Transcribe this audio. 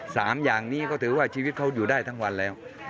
สามอย่างนี้ก็ถือว่าชีวิตเขาอยู่ได้ทั้งวันแล้ว